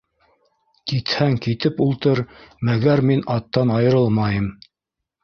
Китһәң, китеп ултыр, мәгәр мин аттан айырылмайым!